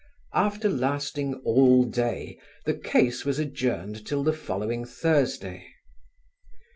After lasting all day the case was adjourned till the following Thursday.